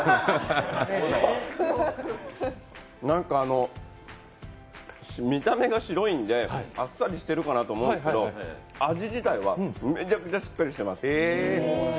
なんか見た目が白いんであっさりしてるかなと思うんですが味自体は、めちゃくちゃしっかりしてます。